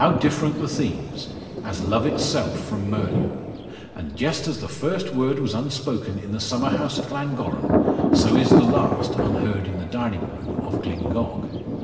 How different the themes as love itself from murder! And just as the first word was unspoken in the summer house at Llangorren, so is the last unheard in the dining room of Glyngog.